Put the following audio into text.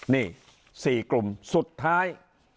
นี่๔กลุ่มสุดท้าย